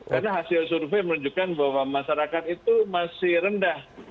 karena hasil survei menunjukkan bahwa masyarakat itu masih rendah